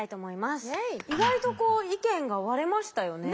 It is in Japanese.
意外と意見が割れましたよね。